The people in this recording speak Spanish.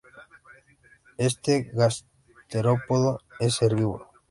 Este gasterópodo es herbívoro.